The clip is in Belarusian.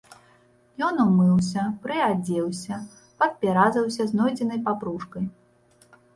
Ён умыўся, прыадзеўся, падперазаўся знойдзенай папружкай.